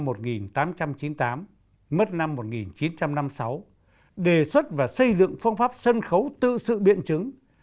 mất năm một nghìn chín trăm năm mươi sáu đề xuất và xây dựng phương pháp sân khấu tự sự biện chứng